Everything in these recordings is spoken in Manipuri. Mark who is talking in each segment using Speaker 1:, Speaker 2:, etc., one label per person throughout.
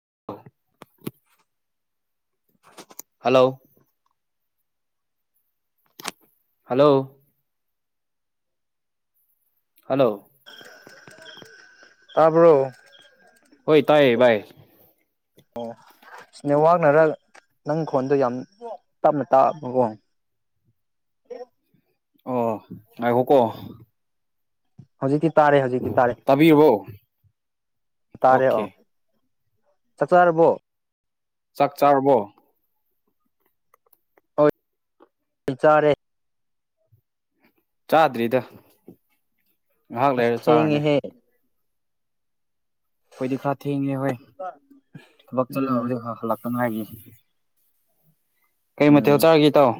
Speaker 1: [inaudible] ꯍꯂꯣ ꯍꯜꯂꯣ ꯍꯜꯂꯣ
Speaker 2: ꯇꯥꯕ꯭ꯔꯣ
Speaker 1: ꯍꯣꯏ ꯇꯥꯏꯌꯦ ꯕꯥꯏ
Speaker 2: ꯑꯣ ꯅꯦꯠꯋꯥꯛꯅꯔ ꯅꯪ ꯐꯣꯟꯗꯣ ꯌꯥꯝ ꯇꯞꯅ ꯇꯥꯕ ꯀꯣ
Speaker 1: ꯑꯣ ꯉꯥꯏꯈꯣ ꯀꯣ
Speaker 2: ꯍꯧꯖꯤꯛꯇꯤ ꯇꯥꯔꯦ ꯍꯧꯖꯤꯛꯇꯤ ꯇꯥꯔꯦ
Speaker 1: ꯇꯥꯕꯤꯔꯕꯣ
Speaker 2: ꯇꯥꯔꯦ ꯑꯣ
Speaker 1: ꯑꯣꯀꯦ
Speaker 2: ꯆꯥꯛꯆꯔꯕꯣ
Speaker 1: ꯆꯥꯛ ꯆꯥꯔꯕꯣ
Speaker 2: ꯍꯣꯏ ꯆꯥꯔꯦ
Speaker 1: ꯆꯥꯗ꯭ꯔꯤꯗ ꯉꯥꯏꯍꯥꯛ
Speaker 2: ꯑꯁ
Speaker 1: ꯂꯩꯔ ꯆꯥꯔꯅꯤ
Speaker 2: ꯊꯦꯡꯉꯦꯍꯦ
Speaker 1: ꯑꯩꯈꯣꯏꯗꯤ ꯈꯔ ꯊꯦꯡꯉꯦ ꯍꯣꯏ ꯊꯕꯛ
Speaker 2: ꯎꯝ
Speaker 1: ꯆꯠꯂꯕꯗꯤ ꯈꯔ ꯍꯜꯂꯛꯇꯅꯥꯏꯒꯤ ꯀꯩ
Speaker 2: ꯎꯝ
Speaker 1: ꯃꯊꯦꯜ ꯆꯥꯔꯒꯦ ꯏꯇꯥꯎ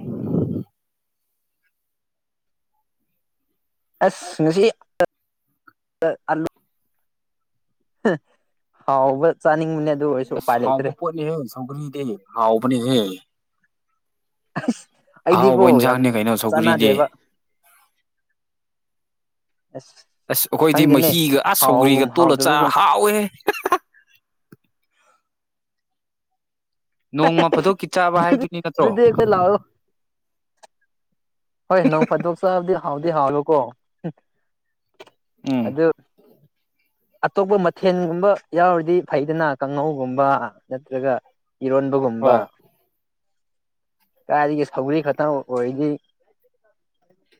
Speaker 2: [unintelligible] ꯍꯥꯎꯕ ꯆꯅꯤꯡꯕꯅꯦ
Speaker 1: ꯑꯁ ꯍꯥꯎꯕ ꯄꯣꯠꯅꯦꯍꯦ ꯁꯧꯒ꯭ꯔꯤꯗꯤ ꯍꯥꯎꯕꯅꯦꯍꯦ
Speaker 2: ꯑꯁ
Speaker 1: ꯑꯍꯥꯎꯕ
Speaker 2: ꯑꯩꯗꯤꯀꯣ ꯌꯥꯝ
Speaker 1: ꯏꯟꯁꯥꯡꯅꯦ ꯀꯩꯅꯣ ꯁꯧꯒ꯭ꯔꯤꯗꯤ
Speaker 2: ꯆꯥꯟꯅꯗꯦꯕ ꯑꯁ
Speaker 1: ꯑꯁ ꯑꯩꯈꯣꯏꯗꯤ
Speaker 2: ꯈꯪꯗꯦꯅꯦ
Speaker 1: ꯃꯍꯤꯒ ꯑꯁ
Speaker 2: ꯍꯥꯎꯒꯨꯝ
Speaker 1: ꯁꯧꯒ꯭ꯔꯤꯒ ꯇꯣꯜꯂ ꯆꯥꯔ
Speaker 2: ꯍꯥꯎꯗꯕꯒꯨꯝ
Speaker 1: ꯍꯥꯎꯋꯦ ꯅꯣꯡꯃ ꯐꯥꯗꯣꯛꯀꯤ ꯆꯥꯕ ꯍꯥꯏꯗꯨꯅꯤ ꯅꯠꯇ꯭ꯔꯣ
Speaker 2: ꯑꯗꯨꯗꯤ ꯑꯩꯈꯣꯏ ꯂꯥꯛꯑꯣ ꯍꯣꯏ ꯅꯣꯡ ꯐꯥꯗꯣꯛ ꯆꯥꯕꯗꯤ ꯍꯥꯎꯗꯤ ꯍꯥꯎꯕꯀꯣ
Speaker 1: ꯎꯝ
Speaker 2: ꯑꯗꯨꯗ ꯑꯇꯣꯞꯄ ꯃꯊꯦꯜꯒꯨꯝꯕ ꯌꯥꯎꯔꯗꯤ ꯐꯩꯗꯅ ꯀꯥꯡꯉꯧꯒꯨꯝꯕ ꯅꯠꯇ꯭ꯔꯒ ꯏꯔꯣꯟꯕꯒꯨꯝꯕ
Speaker 1: ꯍꯣꯏ
Speaker 2: ꯀꯥꯏꯗꯒꯤ ꯁꯧꯒ꯭ꯔꯤ ꯈꯇꯪ ꯑꯣꯏꯗꯤ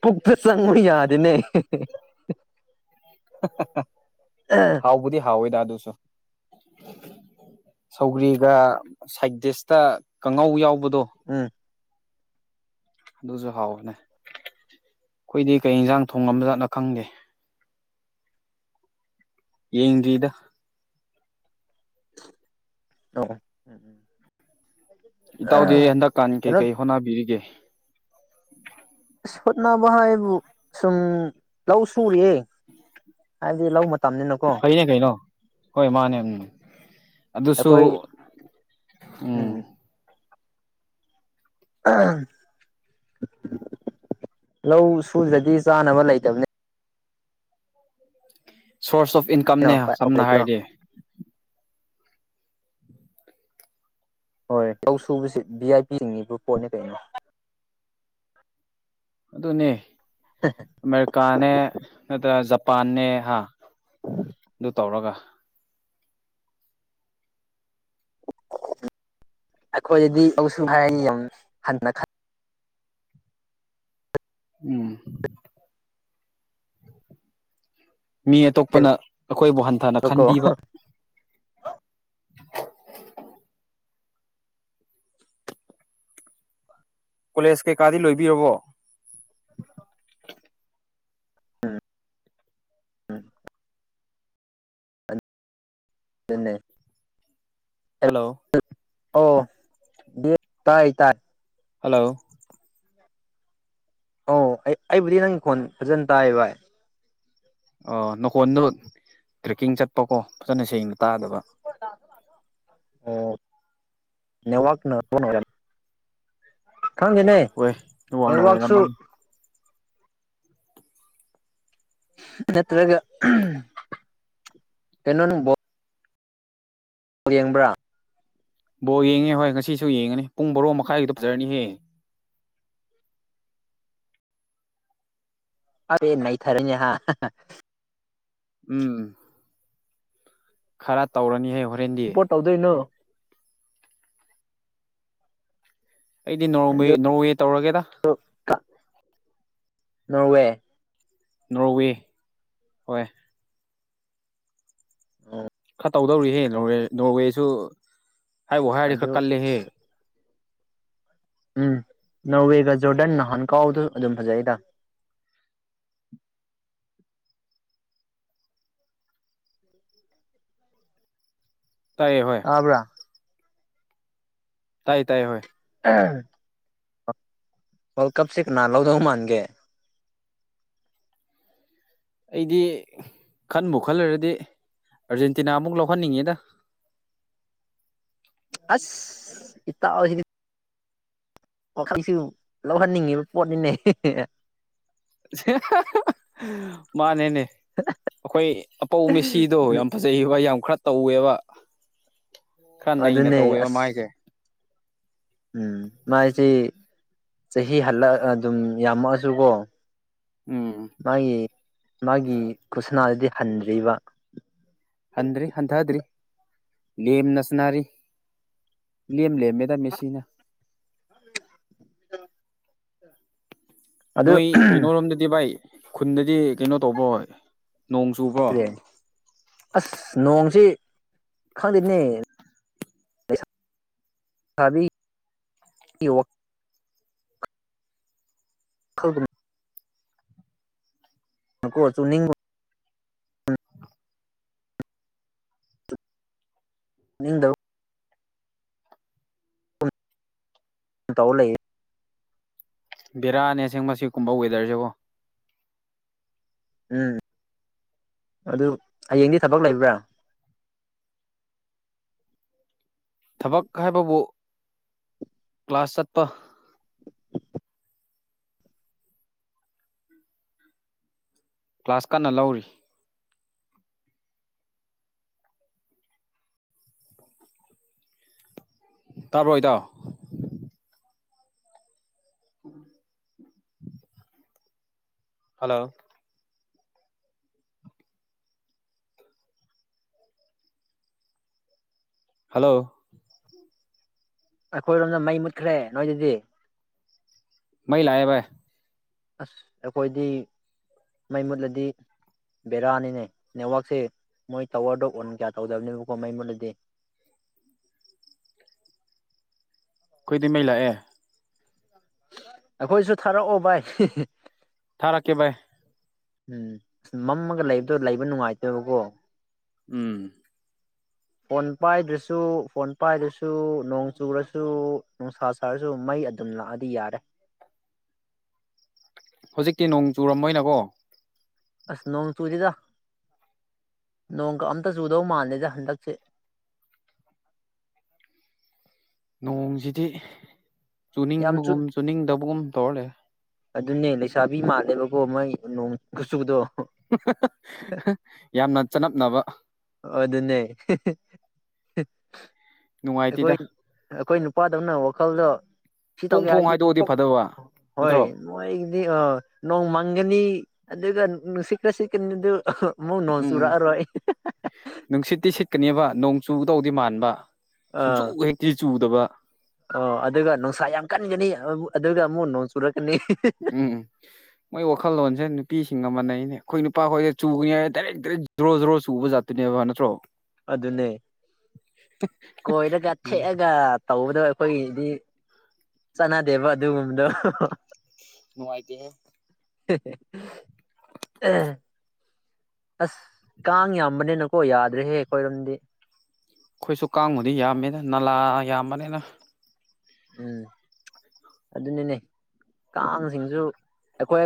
Speaker 2: ꯄꯨꯛꯇ ꯆꯪꯉꯨ ꯌꯥꯗꯦꯅꯦ
Speaker 1: ꯍꯥꯎꯕꯨꯗꯤ ꯍꯥꯎꯋꯦꯗ ꯑꯗꯨꯁꯨ ꯁꯧꯒ꯭ꯔꯤꯒ ꯁꯥꯏꯗꯤꯁꯇ ꯀꯥꯡꯉꯧ ꯌꯥꯎꯕꯗ
Speaker 2: ꯎꯝ
Speaker 1: ꯑꯗꯨꯁꯨ ꯍꯥꯎꯕꯅꯦ ꯑꯩꯈꯣꯏꯗꯤ ꯀꯩ ꯏꯟꯁꯥꯡ ꯊꯣꯡꯉꯝꯖꯠꯅꯣ ꯈꯪꯗꯦ ꯌꯦꯡꯗ꯭ꯔꯤꯗ
Speaker 2: ꯇꯣ
Speaker 1: ꯏꯇꯥꯎꯗꯤ ꯍꯟꯗꯛꯀꯥꯟꯒꯤ ꯀꯩ ꯀꯩ ꯍꯣꯠꯅꯕꯤꯔꯤꯒꯦ
Speaker 2: ꯍꯣꯠꯅꯕ ꯍꯥꯏꯕꯨ ꯁꯨꯝ ꯂꯧ ꯁꯨꯔꯤꯌꯦ ꯍꯥꯏꯗꯤ ꯂꯧ ꯃꯇꯝꯅꯤꯅꯀꯣ
Speaker 1: ꯐꯩꯌꯦ ꯀꯩꯅꯣ ꯀꯣꯏ ꯃꯥꯅꯦ ꯑꯗꯨꯁꯨ
Speaker 2: ꯑꯩꯈꯣꯏ
Speaker 1: ꯎꯝ
Speaker 2: ꯑꯥ ꯂꯧ ꯁꯨꯗ꯭ꯔꯗꯤ ꯆꯥꯅꯕ ꯂꯩꯇꯝꯅꯦ
Speaker 1: ꯁꯣꯔꯁ ꯑꯣꯐ ꯏꯟꯀꯝꯅꯦ
Speaker 2: ꯎꯄꯥꯏ
Speaker 1: ꯁꯝꯅ
Speaker 2: ꯂꯩꯇꯦꯀꯣ
Speaker 1: ꯍꯥꯏꯔꯗꯤ
Speaker 2: ꯍꯣꯏ ꯂꯧ ꯁꯨꯕꯁꯤ ꯚꯤ ꯑꯥꯏ ꯄꯤꯁꯤꯡꯅꯤꯕ ꯄꯣꯠꯅꯦ ꯀꯩꯅꯣ
Speaker 1: ꯑꯗꯨꯅꯦ ꯑꯃꯦꯔꯤꯀꯥꯅꯦ ꯅꯠꯇ꯭ꯔ ꯖꯞ ꯄꯥꯅꯦ ꯍꯥ ꯑꯗꯨ ꯇꯧꯔꯒ
Speaker 2: ꯑꯩꯈꯣꯏꯗꯤ [unintelligible]
Speaker 1: ꯎꯝ ꯃꯤ ꯑꯇꯣꯞꯄꯅ
Speaker 2: ꯈꯜꯂꯦꯕꯀꯣ
Speaker 1: ꯑꯩꯈꯣꯏꯕꯨ ꯍꯟꯊꯅ ꯈꯟꯕꯤꯕ [inaudible] ꯀꯣꯂꯦꯖ ꯀꯩꯀꯥꯗꯤ ꯂꯣꯏꯕꯤꯔꯕꯣ
Speaker 2: ꯑꯗꯨꯅꯦ
Speaker 1: ꯍꯜꯂꯣ
Speaker 2: ꯑꯥꯎ ꯗꯦ ꯇꯥꯏ ꯇꯥꯏ
Speaker 1: ꯍꯜꯂꯣ
Speaker 2: ꯑꯣ ꯑꯩ ꯑꯩꯕꯨꯗꯤ ꯅꯪ ꯈꯣꯟ ꯐꯖꯅ ꯇꯥꯏꯌꯦ ꯚꯥꯏ
Speaker 1: ꯑꯥ ꯅꯈꯣꯟꯗꯨ ꯇ꯭ꯔꯦꯛꯀꯤꯡ ꯆꯠꯄꯀꯣ ꯐꯖꯅ ꯁꯦꯡꯅ ꯇꯥꯗꯕ
Speaker 2: ꯑꯣ ꯅꯦꯋꯥꯛꯅ ꯑꯣꯏꯒꯅꯤ ꯈꯪꯗꯦꯅꯦ
Speaker 1: ꯍꯣꯏ ꯋꯥꯡꯅ
Speaker 2: ꯅꯦꯋꯥꯛꯁꯨ
Speaker 1: ꯑꯣꯏꯔꯝꯃꯅꯤ
Speaker 2: ꯅꯠꯇꯔꯒ ꯎꯝ ꯀꯩꯅꯣꯅꯦ ꯕꯣ ꯌꯦꯡꯕ꯭ꯔꯥ
Speaker 1: ꯕꯣꯜ ꯌꯦꯡꯉꯦ ꯍꯣꯏ ꯉꯁꯤꯁꯨ ꯌꯦꯡꯒꯅꯤ ꯄꯨꯡ ꯕꯥꯔꯣ ꯃꯈꯥꯏꯒꯤꯗꯨ ꯐꯖꯔꯅꯤꯍꯦ
Speaker 2: ꯈꯔꯗꯤ ꯅꯩꯊꯔꯅꯤ ꯍꯥ
Speaker 1: ꯎꯝ ꯈꯔ ꯇꯧꯔꯅꯤ ꯍꯥꯏꯌꯣ
Speaker 2: ꯄꯣꯠ ꯇꯧꯗꯣꯏꯅꯣ
Speaker 1: ꯑꯩꯗꯤ ꯅꯣꯔ ꯅꯣꯔꯋꯦ ꯇꯧꯔꯒꯦꯗ
Speaker 2: ꯀ ꯅꯧꯋꯦ
Speaker 1: ꯅꯣꯔꯋꯦ ꯍꯣꯏ ꯈꯔ ꯇꯧꯗꯧꯔꯤꯍꯦ ꯅꯣꯔꯋꯦ ꯅꯣꯔꯋꯦꯁꯨ ꯍꯥꯏꯕꯣ ꯍꯥꯏꯔꯗꯤ
Speaker 2: ꯑꯗꯨ
Speaker 1: ꯈꯔ ꯀꯜꯂꯦꯍꯦ
Speaker 2: ꯎꯝ ꯅꯣꯔꯋꯦꯒ ꯖꯣꯔꯗꯟ ꯅꯍꯥꯟ ꯀꯥꯎꯕꯗꯨ ꯑꯗꯨꯝ ꯐꯖꯩꯗ
Speaker 1: ꯇꯥꯏꯑꯦ ꯍꯣꯏ
Speaker 2: ꯇꯥꯕ꯭ꯔꯥ
Speaker 1: ꯇꯥꯏ ꯇꯥꯏꯌꯦ ꯍꯣꯏ
Speaker 2: [unintelligible] ꯋꯥꯔꯜ ꯀꯞꯁꯤ ꯀꯅꯥ ꯂꯧꯗꯧ ꯃꯥꯟꯒꯦ
Speaker 1: ꯑꯩꯗꯤ ꯈꯟꯕꯨ ꯈꯜꯂꯔꯗꯤ ꯑꯔꯖꯦꯟꯇꯤꯅꯥ ꯑꯃꯨꯛ ꯂꯧꯍꯟꯅꯤꯡꯉꯦꯗ
Speaker 2: ꯑꯁ ꯏꯇꯥꯎꯁꯤꯗꯤ ꯋꯥꯈꯛꯁꯨ ꯂꯧꯍꯟꯅꯤꯡꯉꯤꯕ ꯄꯣꯠꯅꯤꯅꯦ
Speaker 1: ꯍꯥ ꯍꯥ ꯃꯥꯅꯦꯅꯦ ꯑꯩꯈꯣꯏ ꯑꯄꯧ ꯃꯦꯁꯤꯗꯣ ꯌꯥꯝ ꯐꯖꯩ ꯋꯥ ꯌꯥꯝ ꯈꯔ ꯇꯧꯋꯦꯕ ꯈꯔ ꯅꯩꯅ
Speaker 2: ꯑꯗꯨꯅꯦ
Speaker 1: ꯇꯧꯋꯦꯕ
Speaker 2: ꯑꯁ
Speaker 1: ꯃꯥꯏꯁꯦ
Speaker 2: ꯎꯝ ꯃꯁꯤ ꯆꯍꯤ ꯍꯜꯂ ꯑꯗꯨꯝ ꯌꯥꯝꯃꯛꯑꯁꯨꯀꯣ
Speaker 1: ꯎꯝ
Speaker 2: ꯃꯥꯒꯤ ꯃꯥꯒꯤ ꯀꯨꯁꯅꯥꯗꯨꯗꯤ ꯍꯟꯗ꯭ꯔꯤꯕ
Speaker 1: ꯍꯟꯗ꯭ꯔꯤ ꯍꯟꯊꯗ꯭ꯔꯤ ꯂꯦꯝꯅ ꯁꯥꯟꯅꯔꯤ ꯂꯦꯝ ꯂꯦꯃꯦꯗꯥ ꯃꯦꯁꯤꯅ
Speaker 2: [unintelligible] ꯑꯗꯨ
Speaker 1: ꯅꯣꯏ ꯀꯩꯅꯣꯔꯣꯝꯗꯗꯤ ꯚꯥꯏ ꯈꯨꯟꯗꯗꯤ ꯀꯩꯅꯣ ꯇꯧꯕꯣꯏ
Speaker 2: ꯁꯤꯔꯦ ꯑꯁ ꯅꯣꯡꯁꯤ ꯈꯪꯗꯦꯅꯦ ꯑꯕꯤ [unintelligible] ꯈꯜꯒꯅꯨ ꯑꯥ ꯀꯣ ꯆꯨꯝꯅꯤꯡꯕ ꯅꯤꯡꯗꯧ ꯇꯧ ꯂꯩꯌꯦ
Speaker 1: ꯕꯦꯔꯥꯅꯦ ꯑꯁꯦꯡꯕ ꯁꯤꯒꯨꯝꯕ ꯋꯦꯗꯔꯁꯦꯀꯣ
Speaker 2: ꯎꯝ ꯑꯗꯨ ꯍꯌꯦꯡꯗꯤ ꯊꯕꯛ ꯂꯩꯕ꯭ꯔꯥ
Speaker 1: ꯊꯕꯛ ꯍꯥꯏꯕꯕꯨ ꯀ꯭ꯂꯥꯁ ꯆꯠꯄ
Speaker 2: [inaudible]
Speaker 1: ꯀ꯭ꯂꯥꯁ ꯀꯟꯅ ꯂꯧꯔꯤ ꯇꯥꯕ꯭ꯔꯣ ꯏꯗꯥꯎ [inaudible] ꯍꯜꯂꯣ ꯍꯜꯂꯣ
Speaker 2: ꯑꯩꯈꯣꯏꯔꯣꯝꯗ ꯃꯩ ꯃꯨꯠꯈ꯭ꯔꯦ ꯅꯣꯏꯗꯗꯤ
Speaker 1: ꯃꯩ ꯂꯥꯛꯑꯦ ꯚꯥꯏ
Speaker 2: ꯑꯁ ꯑꯩꯈꯣꯏꯗꯤ ꯃꯩ ꯃꯨꯠꯂꯗꯤ ꯕꯦꯔꯥꯅꯤꯅꯦ ꯅꯦꯠꯋꯥꯛꯁꯦ ꯃꯣꯏ ꯇꯋꯔꯗꯣ ꯑꯣꯟ ꯀꯌꯥ ꯇꯧꯗꯕꯅꯦꯕꯀꯣ ꯃꯩ ꯃꯨꯠꯂꯗꯤ
Speaker 1: ꯈꯣꯏꯗꯤ ꯃꯩ ꯂꯥꯛꯑꯦ
Speaker 2: ꯑꯩꯈꯣꯏꯁꯨ ꯊꯥꯔꯛꯑꯣ ꯚꯥꯏ
Speaker 1: ꯊꯥꯔꯛꯀꯦ ꯕꯥꯏ
Speaker 2: ꯎꯝ ꯃꯝꯃꯒ ꯂꯩꯕꯗꯣ ꯂꯩꯕ ꯅꯨꯡꯉꯥꯏꯇꯦꯕꯀꯣ
Speaker 1: ꯎꯝ
Speaker 2: ꯐꯣꯟ ꯄꯥꯏꯗ꯭ꯔꯁꯨ ꯐꯣꯟ ꯄꯥꯏꯗ꯭ꯔꯁꯨ ꯅꯣꯡ ꯆꯨꯔꯁꯨ ꯅꯨꯡꯁꯥ ꯁꯥꯔꯁꯨ ꯃꯩ ꯗꯨꯝ ꯂꯥꯛꯑꯗꯤ ꯌꯥꯔꯦ
Speaker 1: ꯍꯨꯖꯤꯛꯇꯤ ꯅꯣꯡ ꯆꯨꯔꯝꯃꯣꯏꯅꯀꯣ
Speaker 2: ꯑꯁ ꯅꯣꯡ ꯆꯨꯔꯤꯗ ꯅꯣꯡꯒ ꯑꯝꯇ ꯆꯨꯗꯧ ꯃꯥꯥꯟꯗꯦꯗ ꯍꯟꯗꯛꯁꯦ
Speaker 1: [inaudible] ꯅꯣꯡꯁꯤꯗꯤ
Speaker 2: ꯌꯥꯝ ꯆꯨꯠ
Speaker 1: ꯆꯨꯅꯤꯡꯕꯒꯨꯝ ꯆꯨꯅꯤꯡꯗꯕꯒꯨꯝ ꯇꯧꯔ ꯂꯩꯔꯦ
Speaker 2: ꯑꯗꯨꯅꯦ ꯂꯩꯁꯥꯕꯤ ꯃꯥꯜꯂꯦꯕꯀꯣ ꯃꯣꯏ ꯅꯣꯡ ꯈꯨꯆꯨꯗꯣ
Speaker 1: ꯌꯥꯝꯅ ꯆꯅꯞꯅꯕ
Speaker 2: ꯑꯗꯨꯅꯦ ꯍꯦꯍꯦꯍꯦ ꯑꯩꯈꯣꯏ
Speaker 1: ꯅꯨꯡꯉꯥꯏꯇꯦꯗ
Speaker 2: ꯑꯩꯈꯣꯏ ꯅꯨ ꯄꯥꯗꯧꯅ ꯋꯥꯈꯜꯗꯣ ꯁꯤ
Speaker 1: ꯐꯣꯡ
Speaker 2: ꯇꯧꯒꯦ
Speaker 1: ꯐꯣꯡ
Speaker 2: ꯍꯥꯏꯔꯗꯤ
Speaker 1: ꯍꯥꯏꯗꯣꯛꯑꯗꯤ
Speaker 2: ꯀꯣꯛ
Speaker 1: ꯐꯗꯕ
Speaker 2: ꯍꯣꯏ
Speaker 1: ꯅꯠꯇ꯭ꯔꯣ
Speaker 2: ꯃꯣꯏꯒꯤꯗꯤ ꯑ ꯅꯣꯡ ꯉꯅꯤ ꯑꯗꯨꯒ ꯅꯨꯡꯁꯤꯠꯀ ꯁꯤꯠꯀꯅꯤꯗꯨ ꯑꯃꯨꯛ ꯅꯣꯡ
Speaker 1: ꯎꯝ
Speaker 2: ꯆꯨꯔꯛꯑꯔꯣꯏ [unintelligible]
Speaker 1: ꯅꯨꯡꯁꯤꯠꯇꯤ ꯁꯤꯠꯀꯅꯦꯕ ꯅꯣꯡ ꯆꯨꯕꯗꯧꯗꯤ ꯃꯥꯟꯕ ꯁꯨꯡꯆꯨ
Speaker 2: ꯑꯥ
Speaker 1: ꯍꯦꯛꯇꯤ ꯆꯨꯗꯕ
Speaker 2: ꯑꯣ ꯑꯗꯨꯒ ꯅꯨꯡꯁꯥ ꯌꯥꯝ ꯀꯟꯒꯅꯤ ꯑꯗꯨꯒ ꯑꯃꯨꯛ ꯅꯣꯡ ꯆꯨꯔꯛ
Speaker 1: ꯎꯝ ꯃꯣꯏ ꯋꯥꯈꯜꯂꯣꯟꯖꯦ ꯅꯨꯞ ꯅꯨꯄꯤꯁꯤꯡꯒ ꯃꯅꯩꯅꯦ ꯑꯩꯈꯣꯏ ꯅꯨꯄꯥꯈꯣꯏꯗ ꯆꯨꯅꯤꯉꯥꯏ ꯗꯥꯏꯔꯦꯛ ꯗꯥꯏꯔꯦꯛ ꯖ꯭ꯔꯣ ꯖꯣꯔꯣ ꯆꯨꯕꯖꯥꯠꯇꯨꯅꯦꯕ ꯅꯠꯇ꯭ꯔꯣ
Speaker 2: ꯑꯗꯨꯅꯦ ꯀꯣꯏꯔꯒ
Speaker 1: ꯎꯝ
Speaker 2: ꯊꯦꯛꯑꯒ ꯇꯧꯕ ꯗꯣ ꯑꯩꯈꯣꯏꯒꯤꯗꯤ ꯆꯠꯅꯗꯦꯕ ꯑꯗꯨꯒꯨꯝꯕꯗꯣ
Speaker 1: ꯅꯨꯡꯉꯥꯏꯇꯦꯍꯦ
Speaker 2: [unintelligible] ꯑꯁ ꯀꯥꯡ ꯌꯥꯝꯕꯅꯤꯅꯀꯣ ꯌꯥꯗ꯭ꯔꯦꯍꯦ ꯑꯩꯈꯣꯏꯔꯣꯝꯗꯤ
Speaker 1: ꯑꯈꯣꯏꯁꯨ ꯀꯥꯡꯕꯨꯗꯤ ꯌꯥꯝꯃꯦꯗ ꯅꯂꯥ ꯌꯥꯝꯕꯅꯤꯅ
Speaker 2: ꯑꯗꯨꯅꯦꯅꯦ ꯀꯥꯡꯁꯤꯡꯁꯨ ꯑꯩꯈꯣꯏ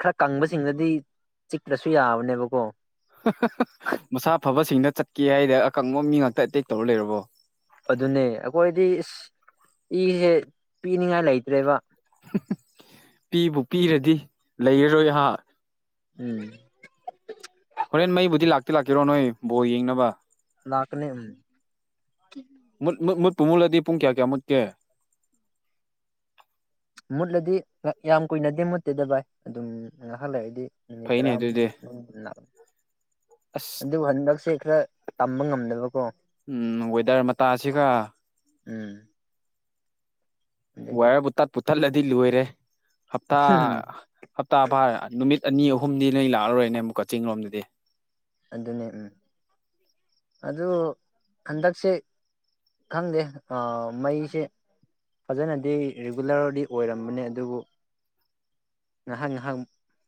Speaker 2: ꯈ꯭ꯔ ꯀꯪꯕꯁꯤꯡꯗꯗꯤ ꯆꯤꯛꯇ꯭ꯔꯁꯨ ꯌꯥꯕꯅꯦꯕꯀꯣ
Speaker 1: [unintelligible] ꯃꯁꯥ ꯐꯕꯁꯤꯡꯗ ꯆꯠꯀꯦ ꯍꯥꯏꯗ ꯑꯀꯪꯕ ꯃꯤ ꯉꯥꯛꯇ ꯑꯦꯇꯦꯛ ꯇꯧꯔ ꯂꯩꯔꯕꯣ
Speaker 2: ꯑꯗꯨꯅꯦ ꯑꯈꯣꯏꯗꯤ ꯑꯁ ꯏꯖꯦ ꯄꯤꯅꯤꯡꯉꯥꯏ ꯂꯩꯇ꯭ꯔꯦꯕ
Speaker 1: [unintelligible] ꯄꯤꯕꯨ ꯄꯤꯔꯗꯤ ꯂꯩꯔꯔꯣꯏ ꯍꯥ
Speaker 2: ꯎꯝ [inaudible]
Speaker 1: ꯍꯣꯔꯦꯟ ꯃꯩꯕꯨꯗꯤ ꯂꯥꯛꯇꯤ ꯂꯥꯛꯀꯦꯔꯣ ꯅꯣꯏ ꯕꯣꯜ ꯌꯦꯡꯅꯕ
Speaker 2: ꯂꯥꯛꯀꯅꯤ
Speaker 1: ꯃꯨꯠ ꯃꯨꯠ ꯃꯨꯠꯄꯨ ꯃꯨꯠꯂꯗꯤ ꯄꯨꯡ ꯀ꯭ꯌꯥ ꯀ꯭ꯌꯥ ꯃꯨꯠꯀꯦ
Speaker 2: ꯃꯨꯠꯂꯗꯤ ꯌꯥꯝ ꯀꯨꯏꯅꯗꯤ ꯃꯨꯠꯇꯦꯗ ꯚꯥꯏ ꯑꯗꯨꯝ ꯉꯥꯏꯍꯥꯛ ꯂꯩꯗꯤ ꯅꯨꯃꯤꯠ
Speaker 1: ꯐꯩꯅꯦ ꯑꯗꯨꯗꯤ
Speaker 2: ꯇꯔꯥꯃꯨꯛꯇꯪ ꯂꯥꯛ
Speaker 1: ꯑꯁ
Speaker 2: ꯑꯗꯨ ꯍꯟꯗꯛꯁꯦ ꯈꯔ ꯇꯝꯕ ꯉꯝꯗꯕꯀꯣ
Speaker 1: ꯎꯝ ꯋꯦꯗꯔ ꯃꯇꯥꯁꯤꯒ
Speaker 2: ꯎꯝ ꯑꯗꯒꯤ
Speaker 1: ꯋꯦꯌꯥꯔ ꯕꯨ ꯇꯠꯄꯨ ꯇꯠꯂꯗꯤ ꯂꯣꯏꯔꯦ ꯍꯞꯇꯥ
Speaker 2: ꯎꯝ
Speaker 1: ꯍꯞꯇꯥ ꯐꯥ ꯅꯨꯃꯤꯠ ꯑꯅꯤ ꯑꯍꯨꯝꯗꯤ ꯅꯣꯏ ꯂꯥꯛꯑꯔꯣꯏꯅꯦ ꯑꯃꯨꯛꯀ ꯆꯤꯡ ꯔꯣꯝꯗꯗꯤ
Speaker 2: ꯑꯗꯨꯅꯦ ꯎꯝ ꯑꯗꯨ ꯍꯟꯗꯛꯁꯦ ꯈꯪꯗꯦ ꯑ ꯃꯩꯁꯦ ꯐꯖꯅꯗꯤ ꯔꯤꯒꯨꯂꯔꯗꯤ ꯑꯣꯏꯔꯝꯕꯅꯦ ꯑꯗꯨꯕꯨ ꯉꯥꯏꯍꯥꯛ ꯉꯥꯏꯍꯥꯛ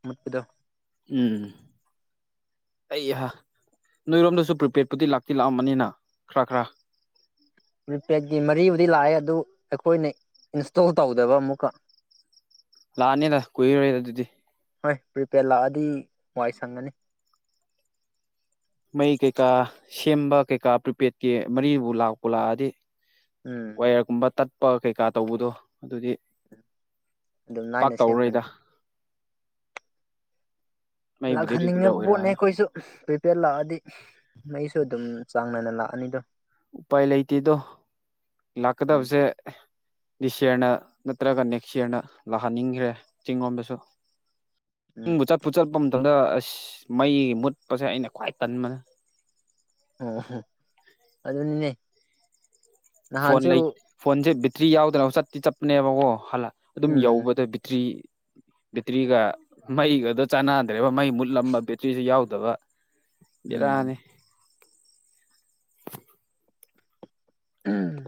Speaker 2: ꯃꯨꯠꯄꯗꯣ
Speaker 1: ꯎꯝ ꯑꯩꯍꯥ ꯅꯣꯏꯔꯣꯝꯗꯁꯨ ꯄ꯭ꯔꯤꯄꯦꯠꯄꯨꯗꯤ ꯂꯥꯛꯇꯤ ꯂꯥꯛꯑꯃꯅꯤꯅ ꯈꯔ ꯈꯔ
Speaker 2: ꯄꯔꯤꯄꯦꯗꯀꯤ ꯃꯔꯤꯕꯨꯗꯤ ꯂꯥꯛꯑꯦ ꯑꯗꯨ ꯑꯩꯈꯣꯏꯅ ꯏꯟꯁꯇꯣꯜ ꯇꯧꯗꯕ ꯑꯃꯨꯛꯀ
Speaker 1: ꯂꯥꯛꯑꯅꯤꯗ ꯀꯨꯏꯔꯔꯣꯏꯗ ꯑꯗꯨꯗꯤ
Speaker 2: ꯍꯣꯏ ꯄ꯭ꯔꯤꯄꯦꯗ ꯂꯥꯛꯑꯗꯤ ꯋꯥꯥꯏ ꯁꯪꯉꯅꯤ
Speaker 1: ꯃꯩ ꯀꯩꯀꯥ ꯁꯦꯝꯕ ꯀꯩꯀꯥ ꯄ꯭ꯔꯤꯄꯦꯗꯀꯤ ꯃꯔꯤꯕꯨ ꯂꯥꯛꯄꯨ ꯂꯥꯛꯑꯗꯤ
Speaker 2: ꯎꯝ
Speaker 1: ꯋꯥꯌꯔꯒꯨꯝꯕ ꯇꯠꯄ ꯀꯩꯀꯥ ꯇꯧꯕꯗꯣ ꯑꯗꯨꯗꯤ
Speaker 2: ꯑꯗꯨꯝ
Speaker 1: ꯄꯥꯛ
Speaker 2: ꯂꯥꯏꯅ
Speaker 1: ꯇꯧꯔꯣꯏꯗ
Speaker 2: ꯁꯦꯝꯈ꯭ꯔꯅꯤ
Speaker 1: ꯃꯩꯕꯨꯗꯤ ꯔꯤꯒꯨꯂꯔ
Speaker 2: ꯂꯥꯛꯍꯟꯅꯤꯡꯉꯕ ꯄꯣꯠꯅꯦ
Speaker 1: ꯑꯣꯏꯔꯛꯑꯅꯤ
Speaker 2: ꯑꯩꯈꯣꯏꯁꯨ ꯄ꯭ꯔꯤꯄꯦꯗ ꯂꯥꯛꯑꯗꯤ ꯃꯩꯁꯨ ꯑꯗꯨꯝ ꯆꯥꯡ ꯅꯥꯏꯅ ꯂꯥꯛꯑꯅꯤꯗꯣ
Speaker 1: ꯎꯄꯥꯏ ꯂꯩꯇꯦꯗꯣ
Speaker 2: ꯎꯝ
Speaker 1: ꯂꯥꯛꯀꯗꯕꯁꯦ ꯗꯤꯁ ꯏꯌꯥꯔꯅ ꯅꯠꯇ꯭ꯔꯒ ꯅꯦꯛꯁ ꯏꯌꯥꯔꯅ ꯂꯥꯛꯍꯟꯅꯤꯡꯈ꯭ꯔꯦ ꯆꯤꯡ ꯔꯣꯝꯗꯁꯨ
Speaker 2: ꯎꯝ
Speaker 1: ꯎ ꯆꯠꯄꯨ ꯆꯠꯄꯝ ꯑꯗꯣ ꯑꯁ ꯃꯩ ꯃꯨꯠꯄꯁꯦ ꯑꯩꯅ ꯈ꯭ꯋꯥꯏ ꯇꯟꯕꯅꯦ
Speaker 2: ꯑꯝꯍ ꯑꯗꯨꯅꯤꯅꯦ
Speaker 1: ꯐꯣꯟ
Speaker 2: ꯅꯍꯥꯟꯁꯨ
Speaker 1: ꯂꯩ ꯐꯣꯟꯁꯦ ꯕꯦꯇ꯭ꯔꯤ ꯌꯥꯎꯗꯅ ꯆꯠꯇꯤ ꯆꯠꯄꯅꯦꯕꯀꯣ ꯍꯜꯂꯛ ꯑꯗꯨꯝ
Speaker 2: ꯎꯝ
Speaker 1: ꯌꯧꯕꯗ ꯕꯦꯇ꯭ꯔꯤ ꯕꯦꯇ꯭ꯔꯤꯒ ꯃꯩꯒꯗꯣ ꯆꯥꯟꯅꯗꯦ ꯦꯕ ꯃꯩ ꯃꯨꯠꯂꯝꯕ ꯕꯦꯇ꯭ꯔꯤꯁꯨ ꯌꯥꯎꯗꯕ
Speaker 2: ꯎꯝ
Speaker 1: ꯕꯦꯔꯥꯅꯦ
Speaker 2: ꯎꯝ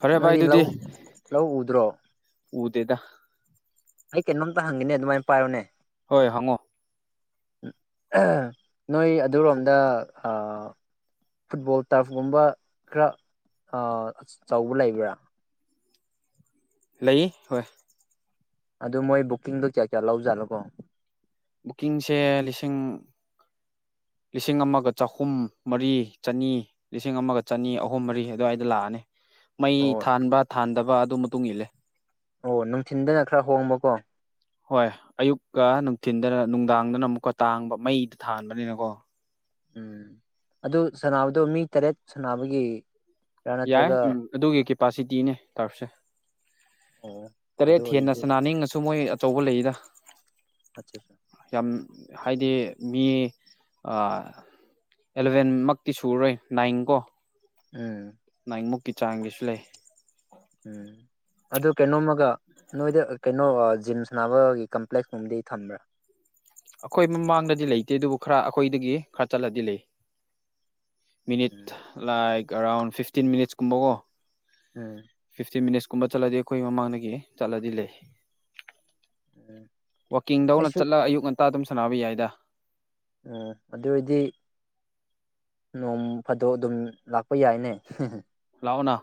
Speaker 1: ꯐꯔꯦ ꯚꯥꯏ
Speaker 2: ꯅꯣꯏꯗꯤ
Speaker 1: ꯑꯗꯨꯗꯤ
Speaker 2: ꯂꯧ ꯂꯧ ꯎꯗ꯭ꯔꯣ
Speaker 1: ꯎꯗꯦꯗ
Speaker 2: ꯑꯩ ꯀꯩꯅꯣꯝꯇ ꯍꯪꯒꯦꯅꯦ ꯑꯗꯨꯃꯥꯏ ꯄꯥꯏꯌꯣꯅꯦ
Speaker 1: ꯍꯣꯏ ꯍꯪꯉꯣ
Speaker 2: ꯅꯣꯏ ꯑꯗꯨꯔꯣꯝꯗ ꯑ ꯐꯨꯠꯕꯣꯜ ꯇꯔꯐꯀꯨꯝꯕ ꯈꯔ ꯑꯆꯧꯕ ꯂꯩꯕ꯭ꯔꯥ
Speaker 1: ꯂꯩ ꯍꯣꯏ
Speaker 2: ꯑꯗꯨ ꯃꯣꯏ ꯕꯨꯛꯀꯤꯡꯗꯣ ꯀꯌꯥ ꯀꯌꯥ ꯂꯧꯖꯥꯠꯅꯣꯀꯣ
Speaker 1: ꯕꯨꯛꯀꯤꯡꯁꯦ ꯂꯤꯁꯤꯡ ꯂꯤꯁꯤꯡ ꯑꯃꯒ ꯆꯍꯨꯝ ꯃꯔꯤ ꯆꯅꯤ ꯂꯤꯁꯤꯡ ꯑꯃꯒ ꯆꯅꯤ ꯑꯍꯨꯝ ꯃꯔꯤ ꯑꯗꯨꯋꯥꯏꯗ ꯂꯥꯛꯑꯅꯤ ꯃꯩ
Speaker 2: ꯑꯣ
Speaker 1: ꯊꯥꯟꯕ ꯊꯥꯟꯗꯕ ꯑꯗꯨ ꯃꯇꯨꯡ ꯏꯜꯂꯦ
Speaker 2: ꯑꯣ ꯅꯨꯡꯊꯤꯟꯗꯅ ꯈꯔ ꯍꯣꯡꯕꯀꯣ
Speaker 1: ꯍꯣꯏ ꯑꯌꯨꯛꯀ ꯅꯨꯡꯊꯤꯟꯗꯅ ꯅꯨꯡꯗꯥꯡꯗꯅ ꯑꯃꯨꯛꯀ ꯇꯥꯡꯕ ꯃꯩꯗ ꯊꯥꯟꯕꯅꯤꯅꯀꯣ
Speaker 2: ꯎꯝ ꯑꯗꯨ ꯁꯥꯟꯅꯕꯗꯣ ꯃꯤ ꯇꯔꯦꯠ ꯁꯥꯅꯕꯒꯤ
Speaker 1: ꯌꯥꯏ ꯎꯝ ꯑꯗꯨꯒꯤ ꯀꯦꯄꯥꯁꯤꯇꯤꯅꯦ ꯇꯔꯞꯁꯦ
Speaker 2: ꯑꯣ ꯑꯗꯨ
Speaker 1: ꯇꯔꯦꯠ ꯍꯦꯟꯅ
Speaker 2: ꯑꯣꯏꯔꯗꯤ
Speaker 1: ꯁꯅꯥꯅꯤꯡꯉꯁꯨ ꯃꯣꯏ ꯑꯆꯧꯕ ꯂꯩꯗ
Speaker 2: ꯑꯆꯥꯆꯥ
Speaker 1: ꯌꯥꯝ ꯍꯥꯏꯗꯤ ꯃꯤ ꯑ ꯑꯦꯂꯚꯦꯟꯃꯛꯇꯤ ꯁꯨꯔꯣꯏ ꯅꯥꯏꯟ ꯀꯣ
Speaker 2: ꯎꯝ
Speaker 1: ꯃꯨꯛꯀꯤ ꯆꯥꯡꯒꯤꯁꯨ ꯂꯩ
Speaker 2: ꯎꯝ ꯑꯗꯨ ꯀꯩꯅꯣꯝꯃꯒ ꯅꯣꯏꯗ ꯀꯩꯅꯣ ꯖꯤꯝ ꯁꯥꯅꯕꯒꯤ ꯀꯝꯄ꯭ꯂꯦꯛꯁ ꯀꯨꯝꯕꯗꯤ ꯊꯝꯕ꯭ꯔꯥ
Speaker 1: ꯑꯈꯣꯏ ꯃꯃꯥꯡꯗꯗꯤ ꯂꯩꯇꯦ ꯑꯗꯨꯕꯨ ꯈꯔ ꯑꯩꯈꯣꯏꯗꯒꯤ ꯈꯔ ꯆꯠꯂꯗꯤ ꯂꯩ minute
Speaker 2: um
Speaker 1: like around fifteen ꯃꯤꯅꯤꯠꯁꯀꯨꯝꯕꯀꯣ
Speaker 2: ꯎꯝ
Speaker 1: ꯐꯤꯐꯇꯤꯟ ꯃꯤꯅꯤꯠꯁꯀꯨꯝꯕ ꯆꯠꯂꯗꯤ ꯑꯩꯈꯣꯏ ꯃꯃꯥꯡꯗꯒꯤ ꯆꯠꯂꯗꯤ ꯂꯩ
Speaker 2: ꯎꯝ
Speaker 1: ꯋꯥꯛꯀꯤꯡꯗꯧꯅ
Speaker 2: ꯑꯩꯁꯨ
Speaker 1: ꯆꯠꯂꯒ ꯑꯌꯨꯛ ꯉꯟꯇꯥ ꯑꯗꯨꯝ ꯁꯥꯟꯕ ꯌꯥꯏꯗ
Speaker 2: ꯎꯝ ꯑꯗꯨ ꯑꯣꯏꯗꯤ ꯅꯣꯡ ꯐꯗꯣꯛ ꯑꯗꯨꯝ ꯂꯥꯛꯄ ꯌꯥꯏꯅꯦ
Speaker 1: ꯂꯛꯑꯣꯅ